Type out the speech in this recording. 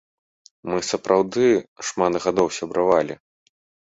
Мы сапраўды шмат гадоў сябравалі.